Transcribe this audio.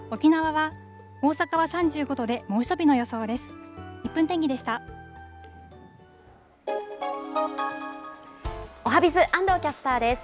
大阪は３５度で、猛暑日の予想です。